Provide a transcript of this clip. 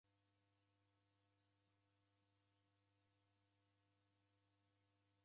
W'adumiki w'abonya chaghu masaa asanu.